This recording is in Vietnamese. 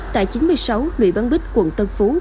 tại chín mươi sáu nguyễn văn bích quận tân phú